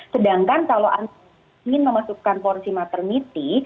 sedangkan kalau anda ingin memasukkan porsi maternity